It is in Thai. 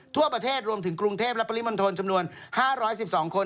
ทั่วประเทศรวมถึงกรุงเทพและปริมณฑลจำนวน๕๑๒คน